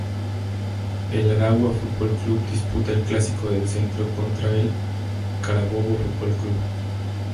El Aragua Fútbol Club disputa el ""Clásico del Centro"" contra el Carabobo Fútbol Club.